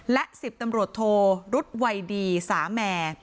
และ๑๐ตำรวจโธหรุดวัยดีสาแม